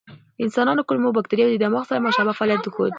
د انسانانو کولمو بکتریاوې د دماغ سره مشابه فعالیت ښود.